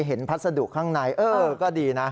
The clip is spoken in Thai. พัสดุข้างในเออก็ดีนะ